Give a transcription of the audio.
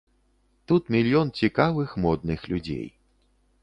Тут мільён цікавых, модных людзей.